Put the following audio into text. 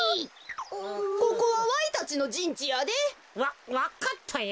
ここはわいたちのじんちやで。わわかったよ。